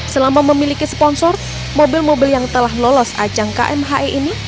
selama memiliki sponsor mobil mobil yang telah lolos ajang kmhe ini